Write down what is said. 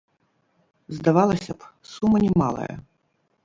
Здавалася б, сума немалая.